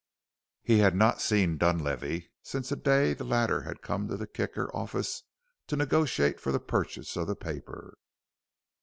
He had not seen Dunlavey since the day the latter had come to the Kicker office to negotiate for the purchase of the paper.